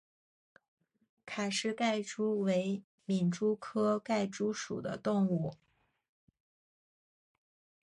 卡氏盖蛛为皿蛛科盖蛛属的动物。